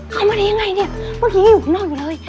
เข้ามาได้ยังไงเนี่ยเมื่อกี้ยังอยู่ข้างนอกอยู่เลย